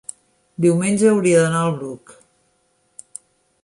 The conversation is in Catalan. diumenge hauria d'anar al Bruc.